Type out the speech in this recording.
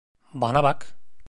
Bana bak!